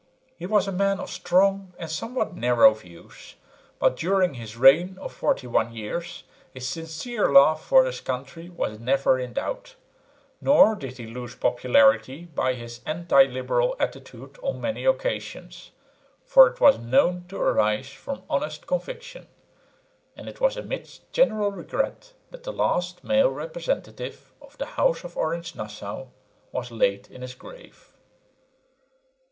He was a man of strong and somewhat narrow views, but during his reign of 41 years his sincere love for his country was never in doubt, nor did he lose popularity by his anti liberal attitude on many occasions, for it was known to arise from honest conviction; and it was amidst general regret that the last male representative of the House of Orange Nassau was laid in his grave.